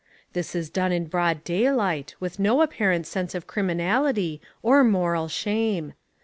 This is done in broad daylight with no apparent sense of criminality or moral shame.